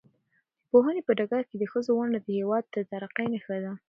د پوهنې په ډګر کې د ښځو ونډه د هېواد د ترقۍ نښه ده.